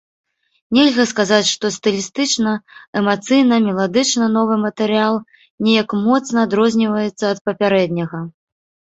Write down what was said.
Нельга сказаць, што стылістычна, эмацыйна, меладычна новы матэрыял неяк моцна адрозніваецца ад папярэдняга.